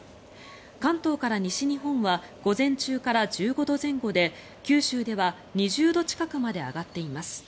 関東から西日本は午前中から１５度前後で九州では２０度近くまで上がっています。